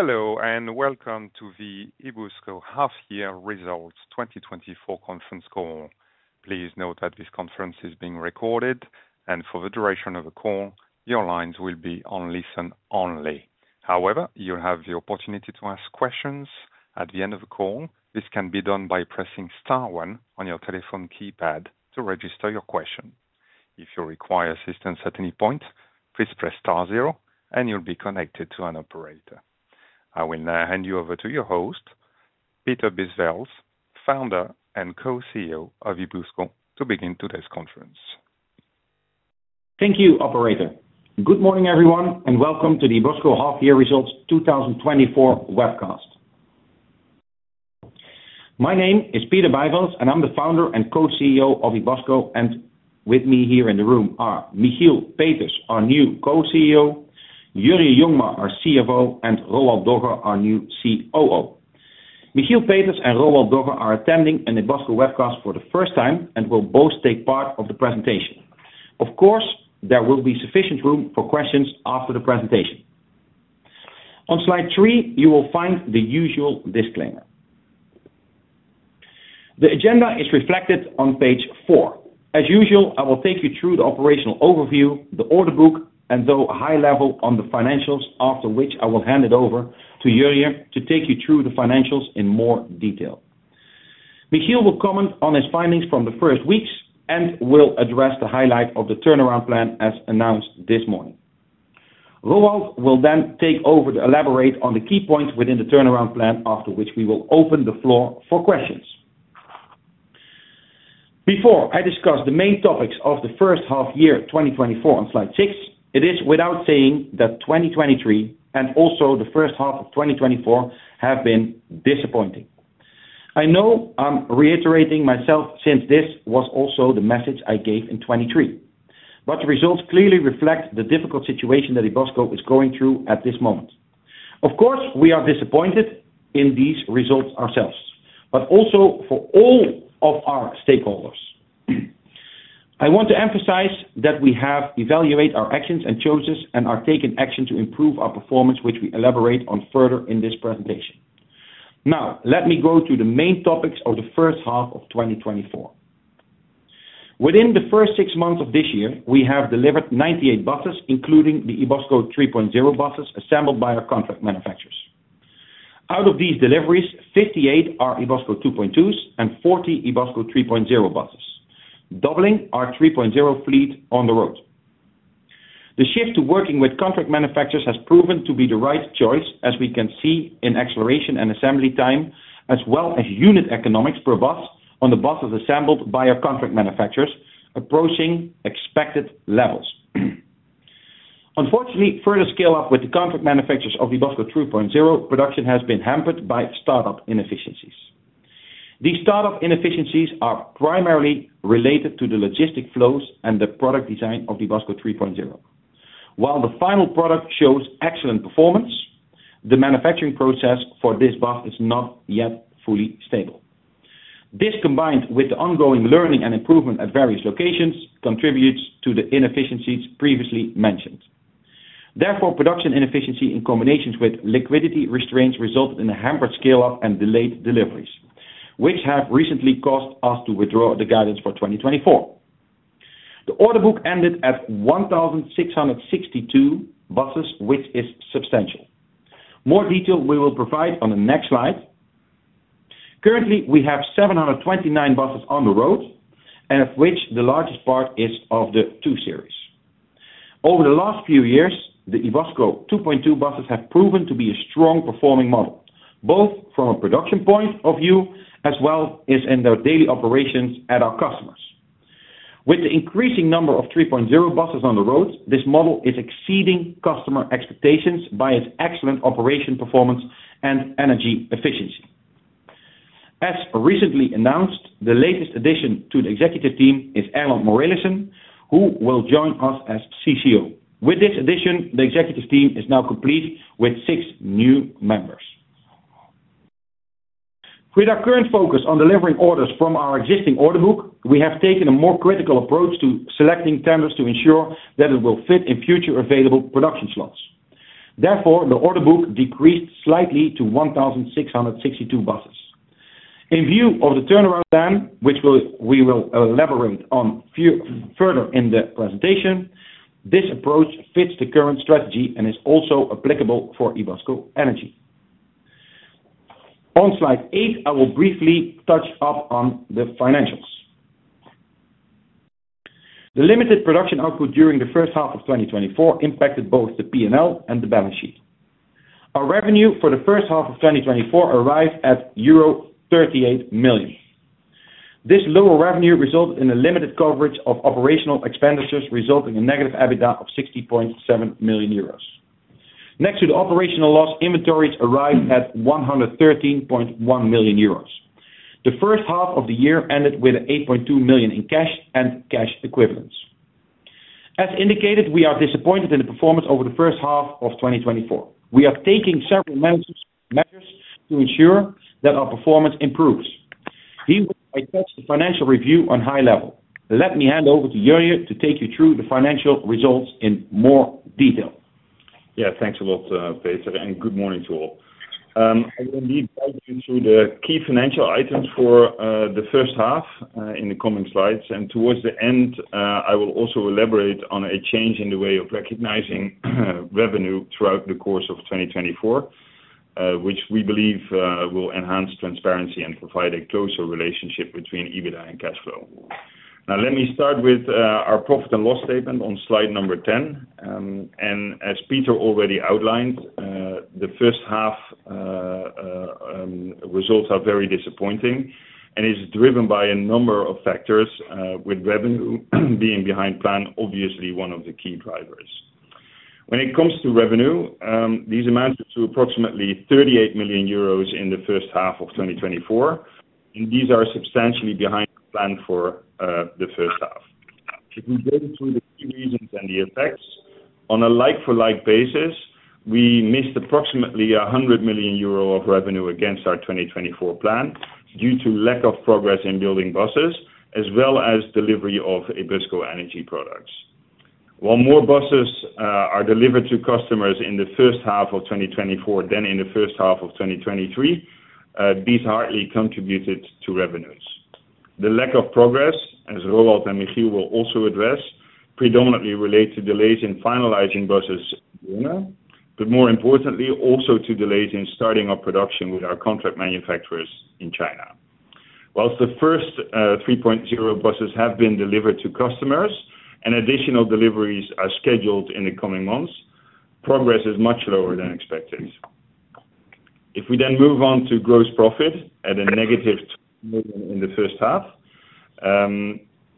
Hello and welcome to the Ebusco Half-Year Results 2024 Conference Call. Please note that this conference is being recorded, and for the duration of the call, your lines will be on listen only. However, you'll have the opportunity to ask questions at the end of the call. This can be done by pressing star one on your telephone keypad to register your question. If you require assistance at any point, please press star zero, and you'll be connected to an operator. I will now hand you over to your host, Peter Bijvelds, founder and Co-CEO of Ebusco, to begin today's conference. Thank you, operator. Good morning, everyone, and welcome to the Ebusco Half-Year Results 2024 webcast. My name is Peter Bijvelds, and I'm the founder and co-CEO of Ebusco, and with me here in the room are Michiel Peters, our new co-CEO, Jurjen Jongma, our CFO, and Roald Dogge, our new COO. Michiel Peters and Roald Dogge are attending an Ebusco webcast for the first time and will both take part in the presentation. Of course, there will be sufficient room for questions after the presentation. On slide three, you will find the usual disclaimer. The agenda is reflected on page four. As usual, I will take you through the operational overview, the order book, and through a high level on the financials, after which I will hand it over to Jurjen to take you through the financials in more detail. Michiel will comment on his findings from the first weeks and will address the highlight of the turnaround plan as announced this morning. Roald will then take over to elaborate on the key points within the turnaround plan, after which we will open the floor for questions. Before I discuss the main topics of the first half year 2024 on slide six, it is without saying that 2023 and also the first half of 2024 have been disappointing. I know I'm reiterating myself since this was also the message I gave in 2023, but the results clearly reflect the difficult situation that Ebusco is going through at this moment. Of course, we are disappointed in these results ourselves, but also for all of our stakeholders. I want to emphasize that we have evaluated our actions and choices and are taking action to improve our performance, which we elaborate on further in this presentation. Now, let me go to the main topics of the first half of 2024. Within the first six months of this year, we have delivered 98 buses, including the Ebusco 3.0 buses assembled by our contract manufacturers. Out of these deliveries, 58 are Ebusco 2.2s and 40 Ebusco 3.0 buses, doubling our 3.0 fleet on the road. The shift to working with contract manufacturers has proven to be the right choice, as we can see in acceleration and assembly time, as well as unit economics per bus on the buses assembled by our contract manufacturers, approaching expected levels. Unfortunately, further scale-up with the contract manufacturers of Ebusco 3.0 production has been hampered by startup inefficiencies. These startup inefficiencies are primarily related to the logistic flows and the product design of Ebusco 3.0. While the final product shows excellent performance, the manufacturing process for this bus is not yet fully stable. This, combined with the ongoing learning and improvement at various locations, contributes to the inefficiencies previously mentioned. Therefore, production inefficiency in combination with liquidity restraints resulted in a hampered scale-up and delayed deliveries, which have recently caused us to withdraw the guidance for 2024. The order book ended at 1,662 buses, which is substantial. More detail we will provide on the next slide. Currently, we have 729 buses on the road, and of which the largest part is of the two series. Over the last few years, the Ebusco 2.2 buses have proven to be a strong performing model, both from a production point of view as well as in their daily operations at our customers. With the increasing number of 3.0 buses on the road, this model is exceeding customer expectations by its excellent operation performance and energy efficiency. As recently announced, the latest addition to the executive team is Erland Morelissen, who will join us as CCO. With this addition, the executive team is now complete with six new members. With our current focus on delivering orders from our existing order book, we have taken a more critical approach to selecting tenders to ensure that it will fit in future available production slots. Therefore, the order book decreased slightly to 1,662 buses. In view of the turnaround plan, which we will elaborate on further in the presentation, this approach fits the current strategy and is also applicable for Ebusco Energy. On slide eight, I will briefly touch up on the financials. The limited production output during the first half of 2024 impacted both the P&L and the balance sheet. Our revenue for the first half of 2024 arrived at euro 38 million. This lower revenue resulted in a limited coverage of operational expenditures, resulting in a negative EBITDA of 60.7 million euros. Next to the operational loss, inventories arrived at 113.1 million euros. The first half of the year ended with 8.2 million in cash and cash equivalents. As indicated, we are disappointed in the performance over the first half of 2024. We are taking several measures to ensure that our performance improves. He will attach the financial review on high level. Let me hand over to Jurjen to take you through the financial results in more detail. Yeah, thanks a lot, Peter, and good morning to all. I will indeed guide you through the key financial items for the first half in the coming slides. Towards the end, I will also elaborate on a change in the way of recognizing revenue throughout the course of 2024, which we believe will enhance transparency and provide a closer relationship between EBITDA and cash flow. Now, let me start with our profit and loss statement on slide number 10. As Peter already outlined, the first half results are very disappointing and are driven by a number of factors, with revenue being behind plan, obviously one of the key drivers. When it comes to revenue, these amount to approximately 38 million euros in the first half of 2024, and these are substantially behind plan for the first half. If we go through the key reasons and the effects, on a like-for-like basis, we missed approximately 100 million euro of revenue against our 2024 plan due to lack of progress in building buses, as well as delivery of Ebusco Energy products. While more buses are delivered to customers in the first half of 2024 than in the first half of 2023, these hardly contributed to revenues. The lack of progress, as Roald and Michiel will also address, predominantly relates to delays in finalizing buses in China, but more importantly, also to delays in starting up production with our contract manufacturers in China. While the first 3.0 buses have been delivered to customers and additional deliveries are scheduled in the coming months, progress is much lower than expected. If we then move on to gross profit at negative [1 million] in the first half,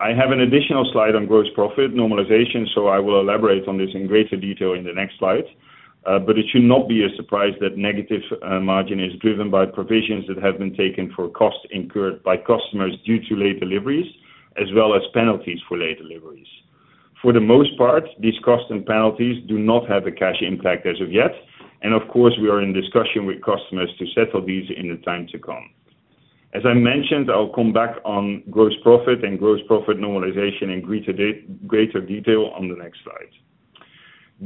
I have an additional slide on gross profit normalization, so I will elaborate on this in greater detail in the next slides. But it should not be a surprise that negative margin is driven by provisions that have been taken for costs incurred by customers due to late deliveries, as well as penalties for late deliveries. For the most part, these costs and penalties do not have a cash impact as of yet, and of course, we are in discussion with customers to settle these in the time to come. As I mentioned, I'll come back on gross profit and gross profit normalization in greater detail on the next slide.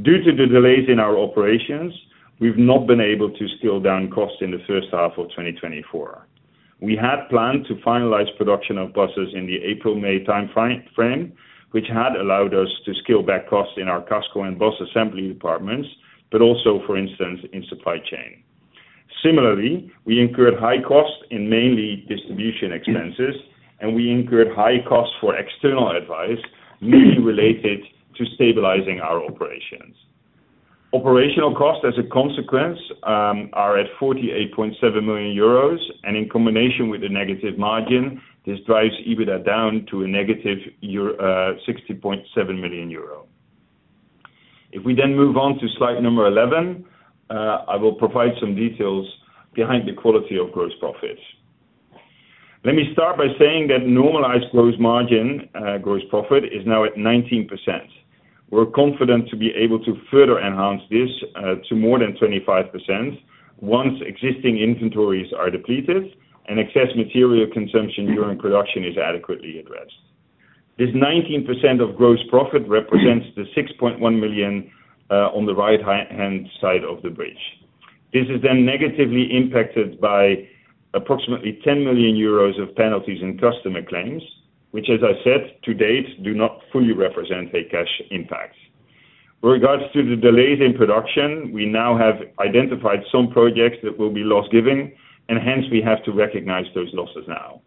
Due to the delays in our operations, we've not been able to scale down costs in the first half of 2024. We had planned to finalize production of buses in the April-May timeframe, which had allowed us to scale back costs in our Casco and bus assembly departments, but also, for instance, in supply chain. Similarly, we incurred high costs in mainly distribution expenses, and we incurred high costs for external advice, mainly related to stabilizing our operations. Operational costs, as a consequence, are at 48.7 million euros, and in combination with the negative margin, this drives EBITDA down to a negative 60.7 million euro. If we then move on to slide number 11, I will provide some details behind the quality of gross profits. Let me start by saying that normalized gross margin, gross profit is now at 19%. We're confident to be able to further enhance this to more than 25% once existing inventories are depleted and excess material consumption during production is adequately addressed. This 19% of gross profit represents the 6.1 million on the right-hand side of the bridge. This is then negatively impacted by approximately 10 million euros of penalties in customer claims, which, as I said, to date do not fully represent a cash impact. With regards to the delays in production, we now have identified some projects that will be loss-giving, and hence we have to recognize those losses now.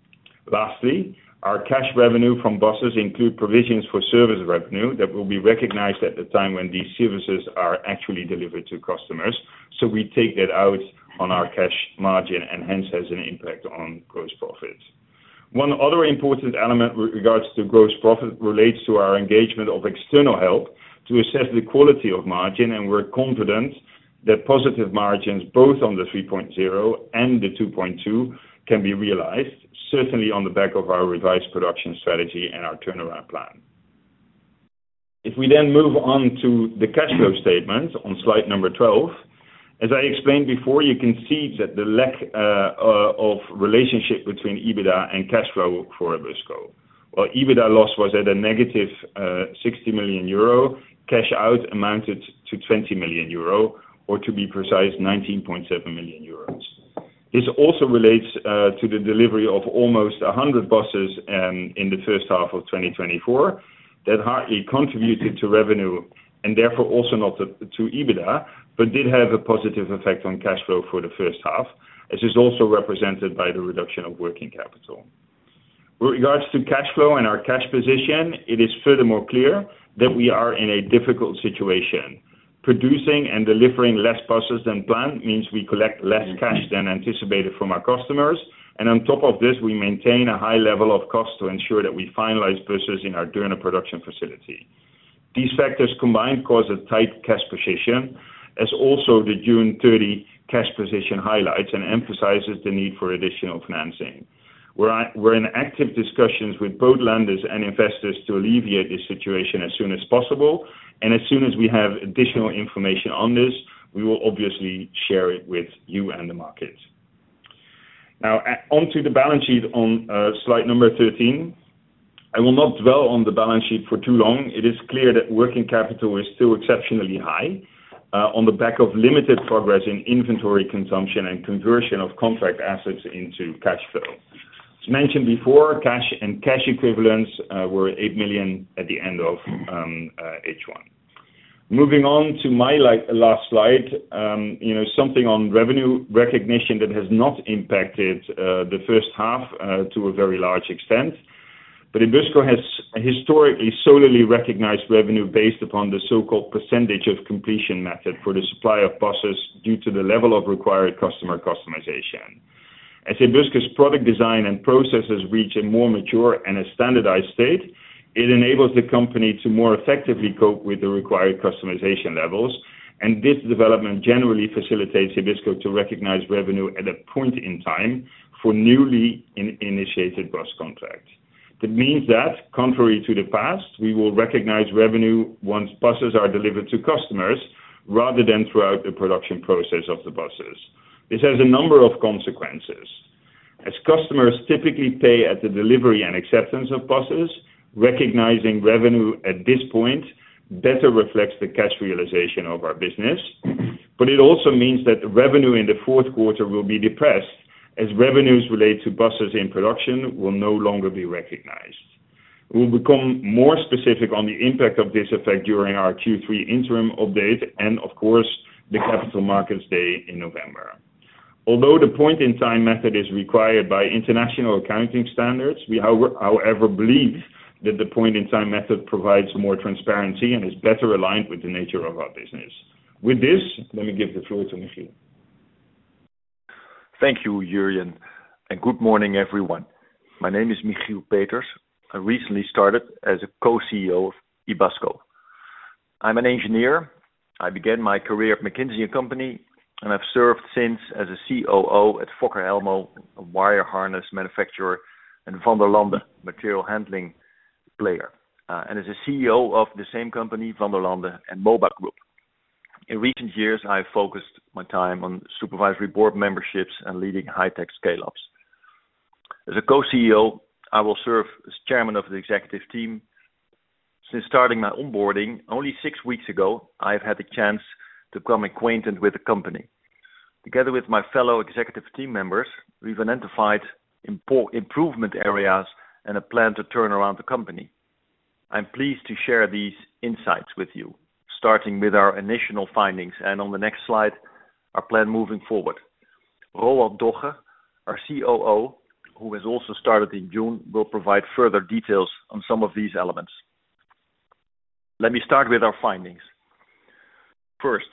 Lastly, our cash revenue from buses includes provisions for service revenue that will be recognized at the time when these services are actually delivered to customers. So we take that out on our cash margin, and hence has an impact on gross profits. One other important element with regards to gross profit relates to our engagement of external help to assess the quality of margin, and we're confident that positive margins both on the 3.0 and the 2.2 can be realized, certainly on the back of our revised production strategy and our turnaround plan. If we then move on to the cash flow statement on slide number 12, as I explained before, you can see that the lack of relationship between EBITDA and cash flow for Ebusco. While EBITDA loss was at a negative 60 million euro, cash out amounted to 20 million euro, or to be precise, 19.7 million euros. This also relates to the delivery of almost 100 buses in the first half of 2024 that hardly contributed to revenue and therefore also not to EBITDA, but did have a positive effect on cash flow for the first half, as is also represented by the reduction of working capital. With regards to cash flow and our cash position, it is furthermore clear that we are in a difficult situation. Producing and delivering less buses than planned means we collect less cash than anticipated from our customers, and on top of this, we maintain a high level of cost to ensure that we finalize buses in our Deurne production facility. These factors combined cause a tight cash position, as also the June 30 cash position highlights and emphasizes the need for additional financing. We're in active discussions with both lenders and investors to alleviate this situation as soon as possible, and as soon as we have additional information on this, we will obviously share it with you and the market. Now, onto the balance sheet on slide 13. I will not dwell on the balance sheet for too long. It is clear that working capital is still exceptionally high on the back of limited progress in inventory consumption and conversion of contract assets into cash flow. As mentioned before, cash and cash equivalents were 8 million at the end of H1. Moving on to my last slide, something on revenue recognition that has not impacted the first half to a very large extent. But Ebusco has historically solely recognized revenue based upon the so-called percentage of completion method for the supply of buses due to the level of required customer customization. As Ebusco's product design and processes reach a more mature and a standardized state, it enables the company to more effectively cope with the required customization levels, and this development generally facilitates Ebusco to recognize revenue at a point in time for newly initiated bus contracts. That means that, contrary to the past, we will recognize revenue once buses are delivered to customers rather than throughout the production process of the buses. This has a number of consequences. As customers typically pay at the delivery and acceptance of buses, recognizing revenue at this point better reflects the cash realization of our business, but it also means that revenue in the fourth quarter will be depressed as revenues related to buses in production will no longer be recognized. We'll become more specific on the impact of this effect during our Q3 interim update and, of course, the capital markets day in November. Although the point-in-time method is required by international accounting standards, we however believe that the point-in-time method provides more transparency and is better aligned with the nature of our business. With this, let me give the floor to Michiel. Thank you, Jurjen, and good morning, everyone. My name is Michiel Peters. I recently started as a co-CEO of Ebusco. I'm an engineer. I began my career at McKinsey & Company, and I've served since as a COO at Fokker Elmo, a wire harness manufacturer, and Vanderlande material handling player, and as a CEO of the same company, Vanderlande and Moba Group. In recent years, I've focused my time on supervisory board memberships and leading high-tech scale-ups. As a co-CEO, I will serve as chairman of the executive team. Since starting my onboarding only six weeks ago, I've had the chance to become acquainted with the company. Together with my fellow executive team members, we've identified improvement areas and a plan to turn around the company. I'm pleased to share these insights with you, starting with our initial findings and, on the next slide, our plan moving forward. Roald Dogge, our COO, who has also started in June, will provide further details on some of these elements. Let me start with our findings. First,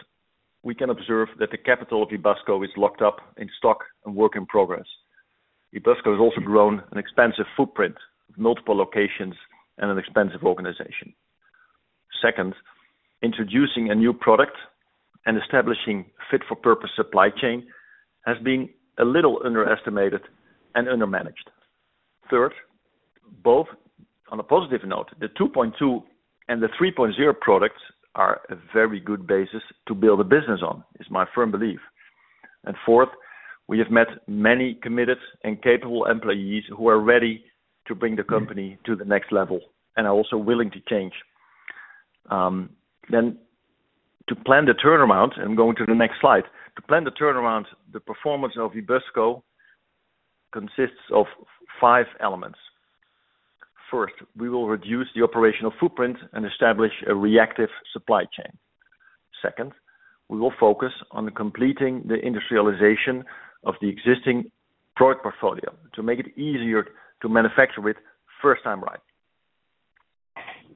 we can observe that the capital of Ebusco is locked up in stock and work in progress. Ebusco has also grown an expansive footprint with multiple locations and an expansive organization. Second, introducing a new product and establishing a fit-for-purpose supply chain has been a little underestimated and undermanaged. Third, both on a positive note, the 2.2 and the 3.0 products are a very good basis to build a business on, is my firm belief. And fourth, we have met many committed and capable employees who are ready to bring the company to the next level and are also willing to change. Then, to plan the turnaround, and going to the next slide, to plan the turnaround, the performance of Ebusco consists of five elements. First, we will reduce the operational footprint and establish a reactive supply chain. Second, we will focus on completing the industrialization of the existing product portfolio to make it easier to manufacture with first-time ride.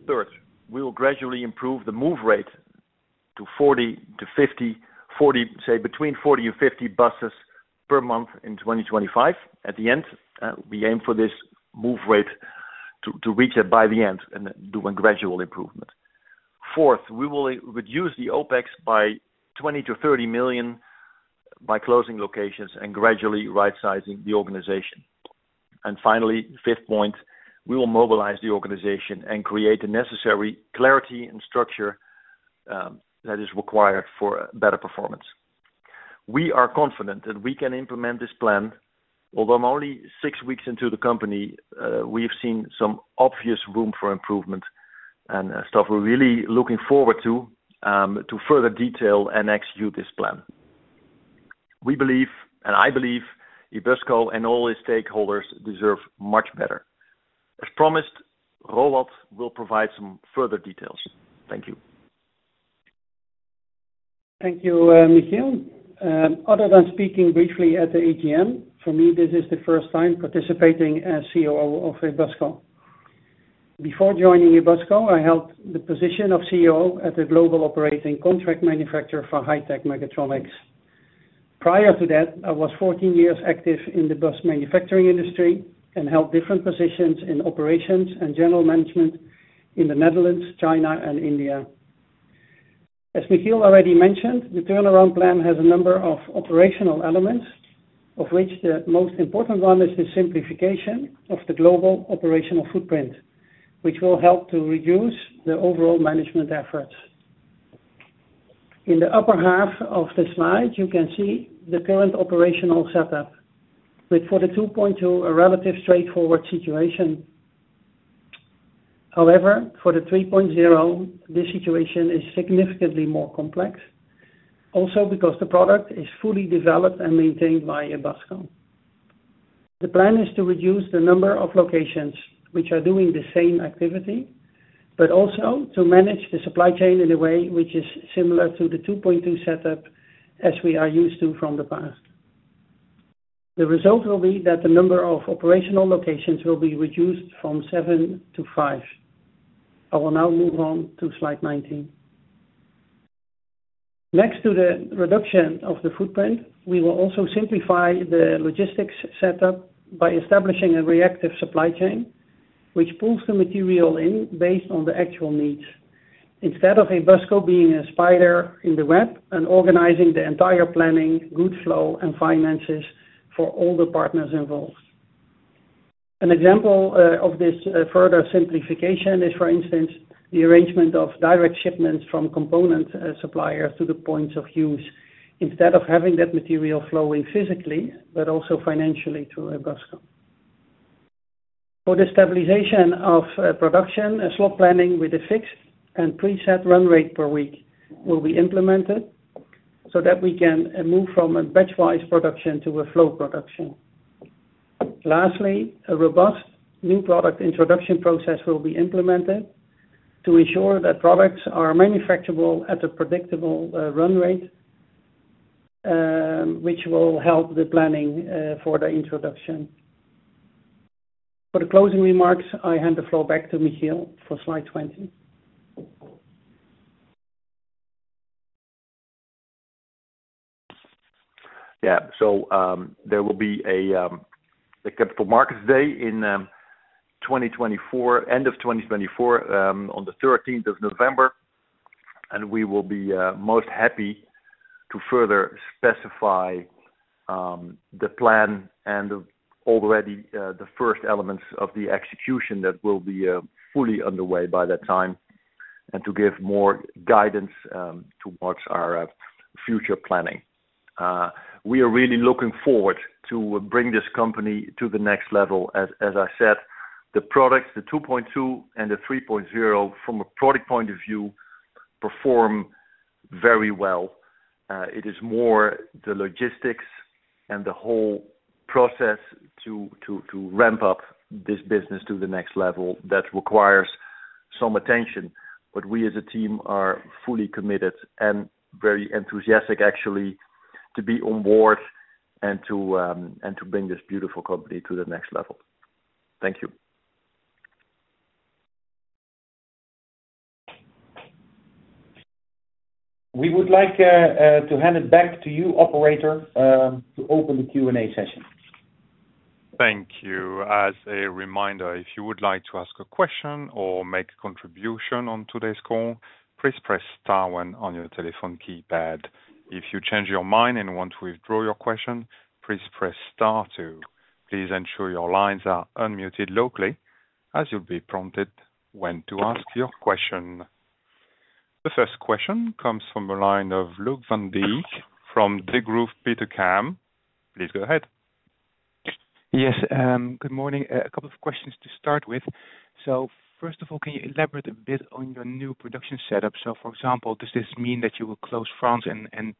Third, we will gradually improve the move rate to 40-50, 40, say, between 40 and 50 buses per month in 2025. At the end, we aim for this move rate to reach it by the end and do a gradual improvement. Fourth, we will reduce the OpEx by 20-30 million by closing locations and gradually right-sizing the organization. And finally, fifth point, we will mobilize the organization and create the necessary clarity and structure that is required for better performance. We are confident that we can implement this plan. Although I'm only six weeks into the company, we have seen some obvious room for improvement and stuff we're really looking forward to, to further detail and execute this plan. We believe, and I believe, Ebusco and all its stakeholders deserve much better. As promised, Roald will provide some further details. Thank you. Thank you, Michiel. Other than speaking briefly at the AGM, for me, this is the first time participating as COO of Ebusco. Before joining Ebusco, I held the position of COO at a global operating contract manufacturer for high-tech mechatronics. Prior to that, I was 14 years active in the bus manufacturing industry and held different positions in operations and general management in the Netherlands, China, and India. As Michiel already mentioned, the turnaround plan has a number of operational elements, of which the most important one is the simplification of the global operational footprint, which will help to reduce the overall management efforts. In the upper half of the slide, you can see the current operational setup with, for the 2.2, a relatively straightforward situation. However, for the 3.0, this situation is significantly more complex, also because the product is fully developed and maintained by Ebusco. The plan is to reduce the number of locations which are doing the same activity, but also to manage the supply chain in a way which is similar to the 2.2 setup as we are used to from the past. The result will be that the number of operational locations will be reduced from seven to five. I will now move on to slide 19. Next to the reduction of the footprint, we will also simplify the logistics setup by establishing a reactive supply chain, which pulls the material in based on the actual needs, instead of Ebusco being a spider in the web and organizing the entire planning, goods flow, and finances for all the partners involved. An example of this further simplification is, for instance, the arrangement of direct shipments from component suppliers to the points of use, instead of having that material flowing physically, but also financially through Ebusco. For the stabilization of production, slot planning with a fixed and preset run rate per week will be implemented so that we can move from a batch-wise production to a flow production. Lastly, a robust new product introduction process will be implemented to ensure that products are manufacturable at a predictable run rate, which will help the planning for the introduction. For the closing remarks, I hand the floor back to Michiel for slide 20. Yeah. So there will be a capital markets day in 2024, end of 2024, on the 13th of November, and we will be most happy to further specify the plan and already the first elements of the execution that will be fully underway by that time and to give more guidance towards our future planning. We are really looking forward to bringing this company to the next level. As I said, the products, the 2.2 and the 3.0, from a product point of view, perform very well. It is more the logistics and the whole process to ramp up this business to the next level that requires some attention, but we, as a team, are fully committed and very enthusiastic, actually, to be on board and to bring this beautiful company to the next level. Thank you. We would like to hand it back to you, operator, to open the Q&A session. Thank you. As a reminder, if you would like to ask a question or make a contribution on today's call, please press star when on your telephone keypad. If you change your mind and want to withdraw your question, please press star two. Please ensure your lines are unmuted locally, as you'll be prompted when to ask your question. The first question comes from a line of Luc Van de Wiele from Degroof Petercam. Please go ahead. Yes. Good morning. A couple of questions to start with. So first of all, can you elaborate a bit on your new production setup? So for example, does this mean that you will close France and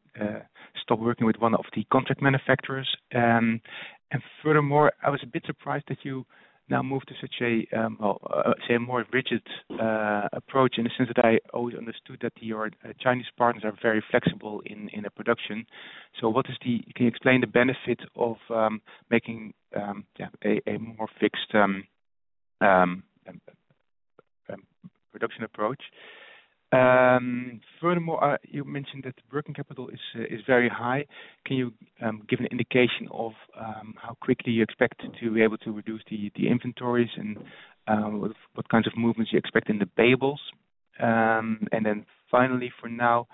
stop working with one of the contract manufacturers? And furthermore, I was a bit surprised that you now moved to such a, well, say, a more rigid approach in the sense that I always understood that your Chinese partners are very flexible in the production. So, can you explain the benefit of making a more fixed production approach? Furthermore, you mentioned that the working capital is very high. Can you give an indication of how quickly you expect to be able to reduce the inventories and what kinds of movements you expect in the payables? And then finally, for now,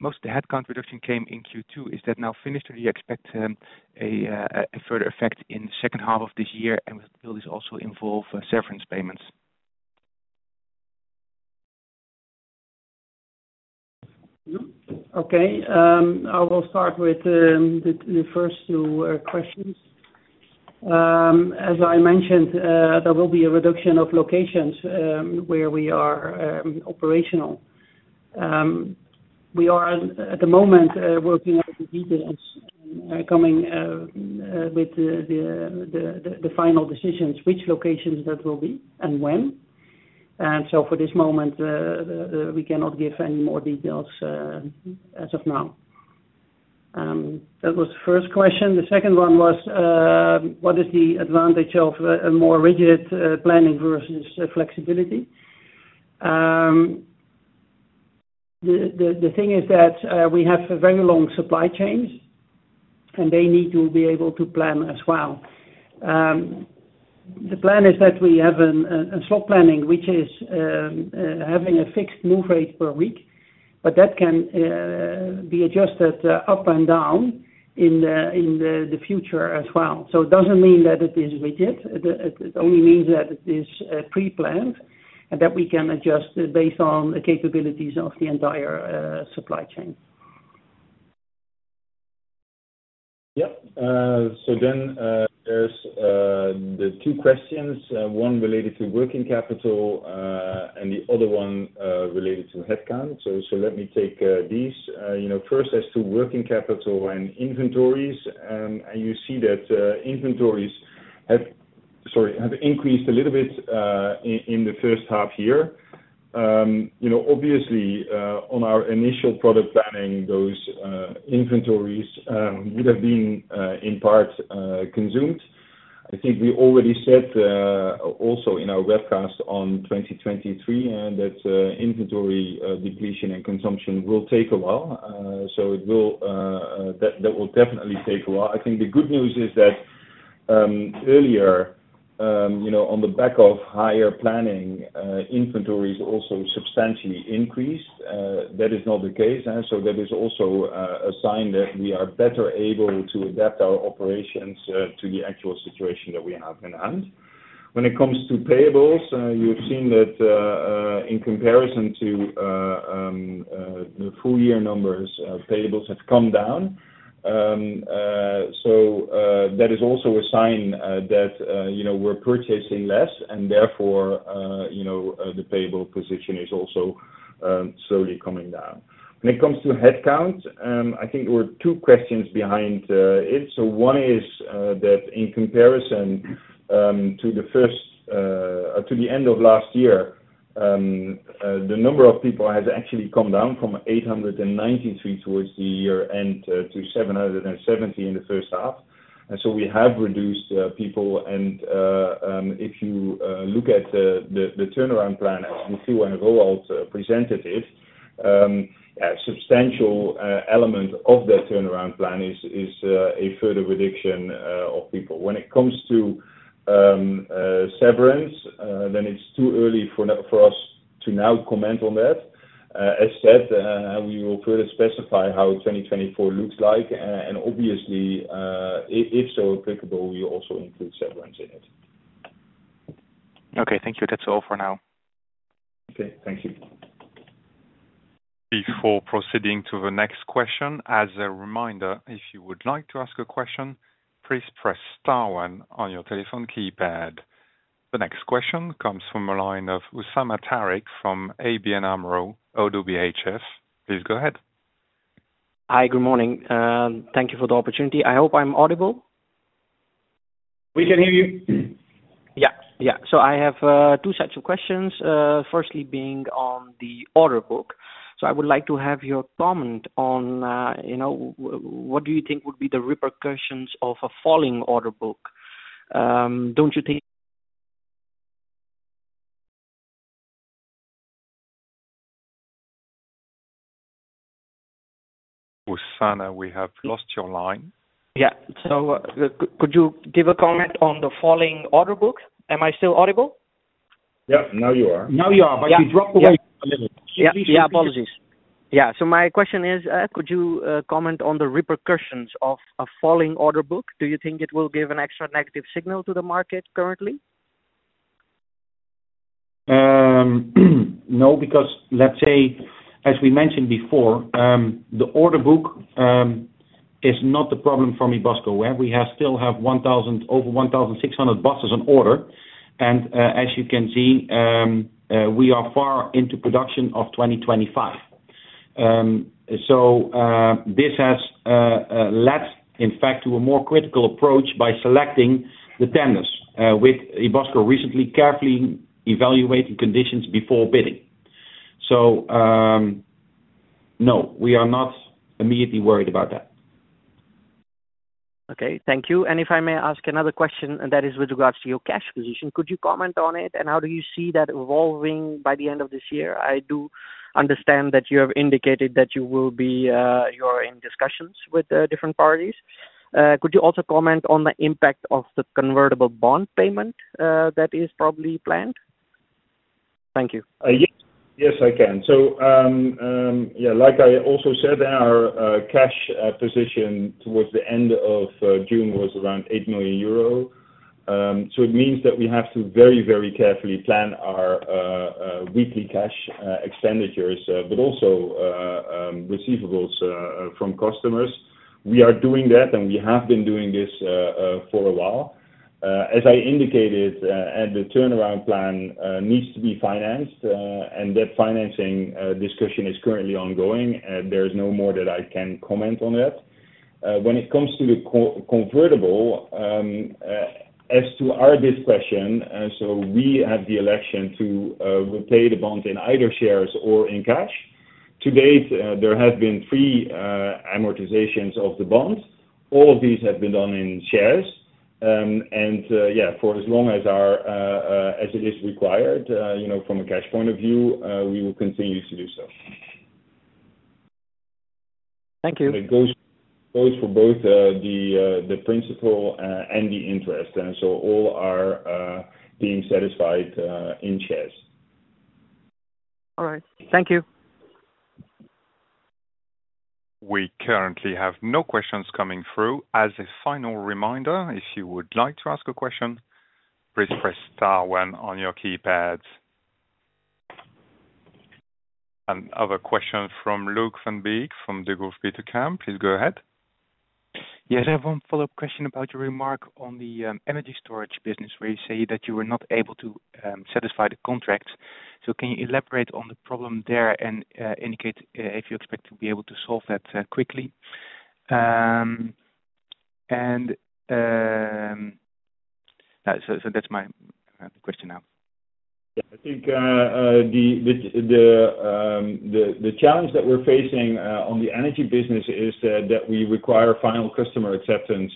most of the headcount reduction came in Q2. Is that now finished, or do you expect a further effect in the second half of this year? Will this also involve severance payments? Okay. I will start with the first two questions. As I mentioned, there will be a reduction of locations where we are operational. We are, at the moment, working on the details and coming with the final decisions, which locations that will be and when. And so for this moment, we cannot give any more details as of now. That was the first question. The second one was, what is the advantage of a more rigid planning versus flexibility? The thing is that we have very long supply chains, and they need to be able to plan as well. The plan is that we have a slot planning, which is having a fixed move rate per week, but that can be adjusted up and down in the future as well. So it doesn't mean that it is rigid. It only means that it is pre-planned and that we can adjust based on the capabilities of the entire supply chain. Yep. So then there's the two questions, one related to working capital and the other one related to headcount. So let me take these. First, as to working capital and inventories, and you see that inventories have, sorry, have increased a little bit in the first half year. Obviously, on our initial product planning, those inventories would have been in part consumed. I think we already said also in our webcast on 2023 that inventory depletion and consumption will take a while. So that will definitely take a while. I think the good news is that earlier, on the back of higher planning, inventories also substantially increased. That is not the case. So that is also a sign that we are better able to adapt our operations to the actual situation that we have in hand. When it comes to payables, you have seen that in comparison to the full-year numbers, payables have come down. So that is also a sign that we're purchasing less, and therefore, the payable position is also slowly coming down. When it comes to headcount, I think there were two questions behind it. So one is that in comparison to the first or to the end of last year, the number of people has actually come down from 893 towards the year end to 770 in the first half. And so we have reduced people. And if you look at the turnaround plan, as Michiel and Roald presented it, a substantial element of that turnaround plan is a further reduction of people. When it comes to severance, then it's too early for us to now comment on that. As said, we will further specify how 2024 looks like. Obviously, if so applicable, we also include severance in it. Okay. Thank you. That's all for now. Okay. Thank you. Before proceeding to the next question, as a reminder, if you would like to ask a question, please press star one on your telephone keypad. The next question comes from the line of Usama Tariq from ABN AMRO - ODDO BHF. Please go ahead. Hi. Good morning. Thank you for the opportunity. I hope I'm audible. We can hear you. Yeah. Yeah. So I have two sets of questions, firstly being on the order book. So I would like to have your comment on what do you think would be the repercussions of a falling order book? Don't you think? Usama, we have lost your line. Yeah. So could you give a comment on the falling order book? Am I still audible? Yeah. Now you are. Now you are, but you dropped away for a minute. Yeah. Apologies. Yeah. So my question is, could you comment on the repercussions of a falling order book? Do you think it will give an extra negative signal to the market currently? No, because let's say, as we mentioned before, the order book is not the problem for Ebusco. We still have over 1,600 buses on order. And as you can see, we are far into production of 2025. So this has led, in fact, to a more critical approach by selecting the tenders, with Ebusco recently carefully evaluating conditions before bidding. So no, we are not immediately worried about that. Okay. Thank you. And if I may ask another question, and that is with regards to your cash position, could you comment on it? And how do you see that evolving by the end of this year? I do understand that you have indicated that you will be in discussions with different parties. Could you also comment on the impact of the convertible bond payment that is probably planned? Thank you. Yes. Yes, I can. So yeah, like I also said, our cash position towards the end of June was around 8 million euro. So it means that we have to very, very carefully plan our weekly cash expenditures, but also receivables from customers. We are doing that, and we have been doing this for a while. As I indicated, the turnaround plan needs to be financed, and that financing discussion is currently ongoing. There is no more that I can comment on that. When it comes to the convertible, as to our discussion, so we have the election to repay the bonds in either shares or in cash. To date, there have been three amortizations of the bonds. All of these have been done in shares. And yeah, for as long as it is required from a cash point of view, we will continue to do so. Thank you. It goes for both the principal and the interest. So all are being satisfied in shares. All right. Thank you. We currently have no questions coming through. As a final reminder, if you would like to ask a question, please press star one on your keypad. Another question from Luc Van de Wiele from Degroof Petercam. Please go ahead. Yeah. I have one follow-up question about your remark on the energy storage business, where you say that you were not able to satisfy the contracts. So can you elaborate on the problem there and indicate if you expect to be able to solve that quickly? And so that's my question now. Yeah. I think the challenge that we're facing on the energy business is that we require final customer acceptance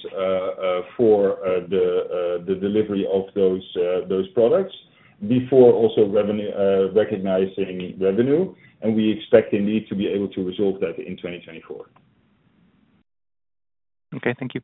for the delivery of those products before also recognizing revenue. We expect indeed to be able to resolve that in 2024. Okay. Thank you.